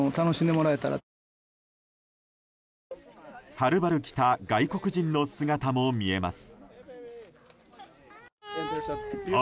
はるばる来た外国人の姿も見えます。